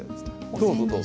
どうぞどうぞ。